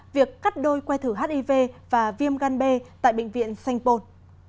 việc cắt đôi quay thử hiv và viêm gan b tại bệnh viện sanpon